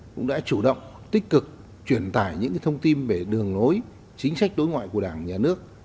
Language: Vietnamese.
cũng đã chủ động tích cực truyền tải những thông tin về đường lối chính sách đối ngoại của đảng nhà nước